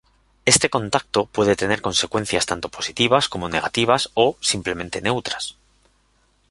Este contacto puede tener consecuencias tanto positivas, como negativas o, simplemente, neutras.